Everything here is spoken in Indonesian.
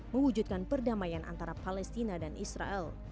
mewujudkan perdamaian antara palestina dan israel